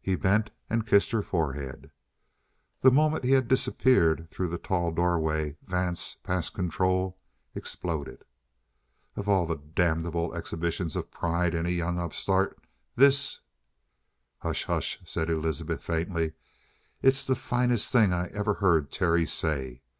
He bent and kissed her forehead. The moment he had disappeared through the tall doorway, Vance, past control, exploded. "Of all the damnable exhibitions of pride in a young upstart, this " "Hush, hush!" said Elizabeth faintly. "It's the finest thing I've ever heard Terry say.